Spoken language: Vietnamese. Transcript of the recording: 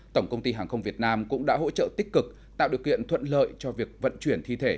tổng công ty hàng không việt nam cũng đã hỗ trợ tích cực tạo điều kiện thuận lợi cho việc vận chuyển thi thể